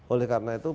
oleh karena itu